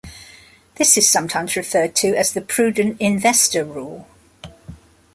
This is sometimes referred to as the "Prudent Investor Rule".